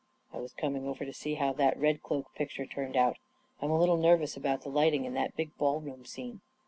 " I was coming over to see how that ' Red Cloak ' picture turned out. I'm a little nervous about the lighting in that big ball room scene."